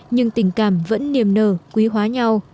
nhưng tình cảm vẫn niềm nờ quý hóa nhau